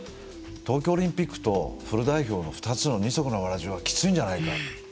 東京オリンピックとフル代表の２つの二足のわらじはきついんじゃないかって。